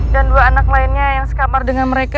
dan dua anak lainnya yang sekamar dengan mereka